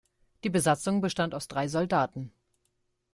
Die Besatzung bestand aus drei Soldaten.